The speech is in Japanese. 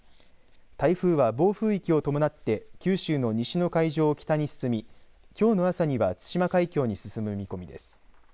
台風は暴風域を伴って九州の西の海上を北に進みきょうの朝には対馬海峡に進む見込みです。